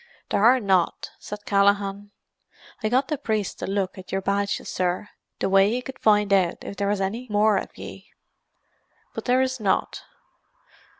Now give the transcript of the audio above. "There are not," said Callaghan. "I got the priest to look at your badges, sir, the way he could find out if there was anny more of ye. But there is not.